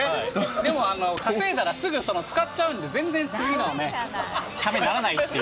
でもあの、稼いだらすぐ使っちゃうんで、全然次のためにならないっていう。